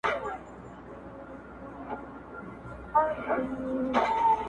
• پورته تللې ده..